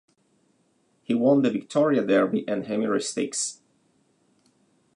He won the Victoria Derby and Emirates Stakes.